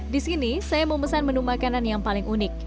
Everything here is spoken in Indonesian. disini saya memesan menu makanan yang paling unik